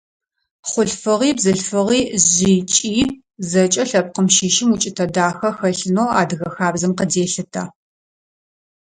Хъулъфыгъи, бзылъфыгъи, жъи, кӀи – зэкӀэ лъэпкъым щыщым укӀытэ дахэ хэлъынэу адыгэ хабзэм къыделъытэ.